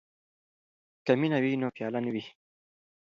که مینه وي نو پیاله نه وي.